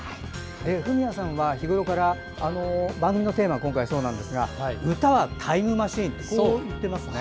フミヤさんは日ごろから番組のテーマもそうですが「歌はタイムマシーン」と言っていますね。